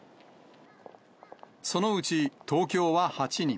そのうち東京は８人。